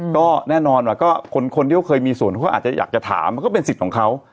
ก็แน่นอนว่าก็คนที่เขาเคยมีส่วนเขาอาจจะอยากจะถามมันก็เป็นสิทธิ์ของเขา